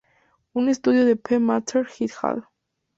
Un estudio de P. Maher et al.